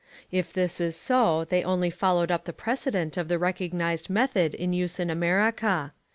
If this is so they only followed up the precedent of the recognised method in use in America.